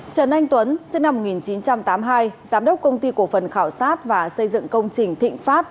trần anh tuấn sinh năm một nghìn chín trăm tám mươi hai giám đốc công ty cổ phần khảo sát và xây dựng công trình thịnh phát